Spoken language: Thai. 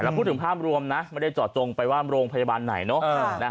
พูดถึงภาพรวมนะไม่ได้เจาะจงไปว่าโรงพยาบาลไหนเนอะ